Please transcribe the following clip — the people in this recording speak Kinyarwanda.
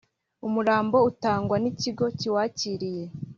umurambo atangwa n ‘ikigo kiwakiriye.